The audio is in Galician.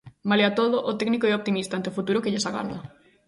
Malia todo, o técnico é optimista ante o futuro que lles agarda.